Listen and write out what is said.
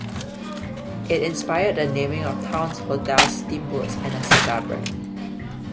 It inspired the naming of towns, hotels, steamboats, and a cigar brand.